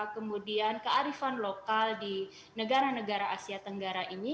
kemudian kearifan lokal di negara negara asia tenggara ini